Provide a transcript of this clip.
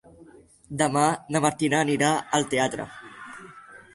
Demà na Martina anirà al teatre.